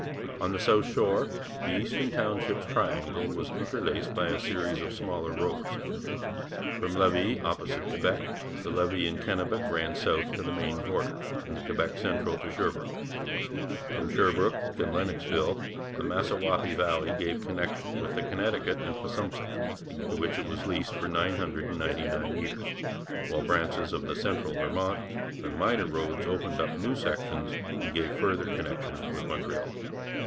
On the south shore the Eastern Townships triangle was interlaced by a series of smaller roads. From Lévis, opposite Quebec, the Lévis and Kennebec ran south to the Maine border, and the Quebec Central to Sherbrooke. From Sherbrooke and Lennoxville the Massawappi Valley gave connection with the Connecticut and Passumpsic, to which it was leased for 999 years, while branches of the Central Vermont and minor roads opened up new sections and gave further connection with Montreal.